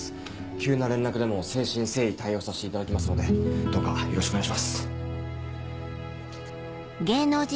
急な連絡でも誠心誠意対応させていただきますのでどうかよろしくお願いします。